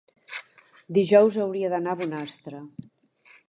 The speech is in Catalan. dijous hauria d'anar a Bonastre.